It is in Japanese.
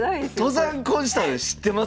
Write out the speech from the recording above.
登山婚したの知ってます？